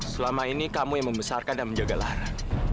selama ini kamu yang membesarkan dan menjaga lahan